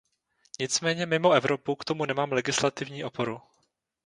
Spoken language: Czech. Nicméně mimo Evropu k tomu nemám legislativní oporu.